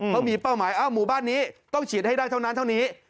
เขามีเป้าหมายหมู่บ้านนี้ต้องฉีดให้ได้เท่านั้นเท่านี้